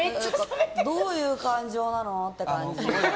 どういう感情なの？って感じ。